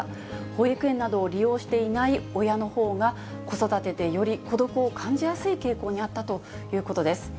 保育園などを利用していない親のほうが、子育てでより孤独を感じやすい傾向にあったということです。